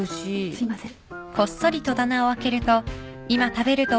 すいません